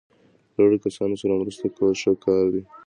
له اړو کسانو سره مرسته کول ښه کار دی.